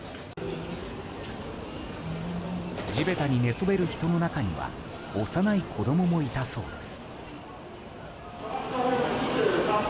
地べたに寝そべる人の中には幼い子供もいたそうです。